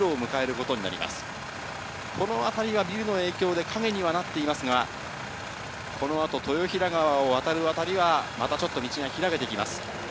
この辺りがビルの影響で陰にはなっていますが、このあと豊平川を渡る辺りは、またちょっと道が開けてきます。